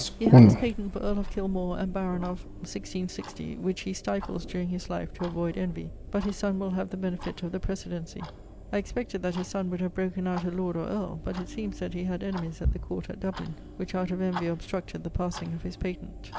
He had his patent for earle of Kilmore and baron of ... 166 which he stifles during his life to avoyd envy[LVI.], but his sonne will have the benefitt of the precedency. [I expected that his sonne would have broken out a lord or earle: ☞ but it seemes that he had enemies at the court at Dublin, which out of envy obstructed the passing of his patent.